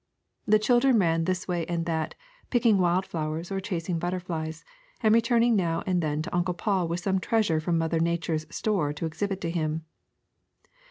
The children ran this way and that, picking wild flowers or chasing butterflies, and returning now and then to Uncle Paul with some treasure from Mother Nature ^s store to exhibit to him.